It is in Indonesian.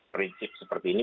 prinsip seperti ini